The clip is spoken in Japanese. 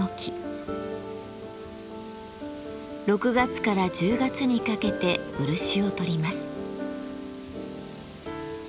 ６月から１０月にかけて漆をとります。